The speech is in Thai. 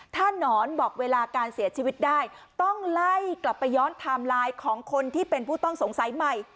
ถ้านอนบอกเวลาการเสียชีวิตได้ต้องไล่กลับไปย้อนไทม์ไลน์ของคนที่เป็นผู้ต้องสงสัยใหม่